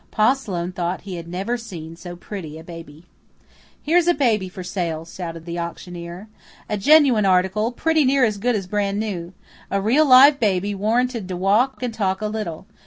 Pa Sloane thought he had never seen so pretty a baby. "Here's a baby for sale," shouted the auctioneer. "A genuine article, pretty near as good as brand new. A real live baby, warranted to walk and talk a little.